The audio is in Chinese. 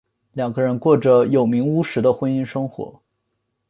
两人过着有名无实的婚姻生活。